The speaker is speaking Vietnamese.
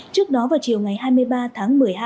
trước đó vào chiều ngày hai mươi ba tháng một mươi hai